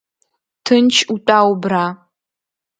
Ҭынч утәа убра!